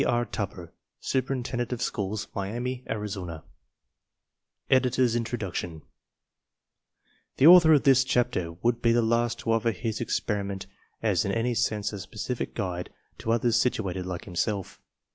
R. Tupper, Superintendent of Schools, Miami, Arizona Editor's Introduction The author of this chapter would be the last to offer his experi ment as in any sense a specific guide to others situated like himself.